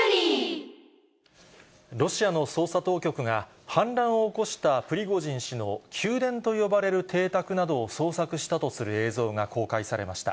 ロシアの捜査当局が、反乱を起こしたプリゴジン氏の宮殿と呼ばれる邸宅などを捜索したとする映像が公開されました。